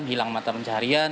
hilang mata pencarian